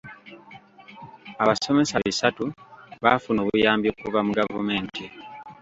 Abasomesa bisatu baafuna obuyambi okuva mu gavumenti.